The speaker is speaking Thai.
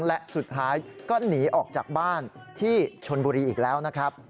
และสุดท้ายก็หนีออกจากบ้านที่ชนบุรีอีกแล้วนะครับ